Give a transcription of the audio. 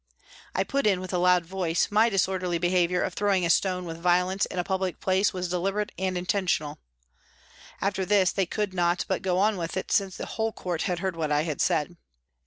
I put in, with a loud voice, " My disorderly behaviour 224 PRISONS AND PRISONERS of throwing a stone with violence in a public place was deliberate and intentional." After this, they could not but go on with it, since the whole court had heard what I had said.